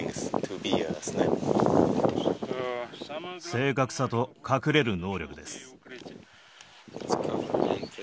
正確さと隠れる能力です。